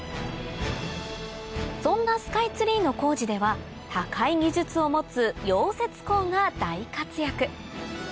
そんなスカイツリーの工事では高い技術を持つ溶接工が大活躍